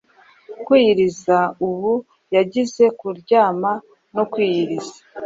Kwiyiriza ubua yagiye kuryama, no kwiyiriza